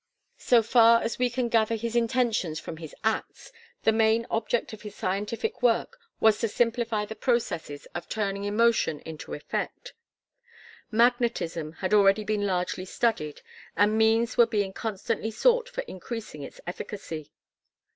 So far as we can gather his intentions from his acts, the main object in his scientific work was to simplify the processes of turning emotion into effect. Magnetism had already been largely studied, and means were being constantly sought for increasing its efficacy.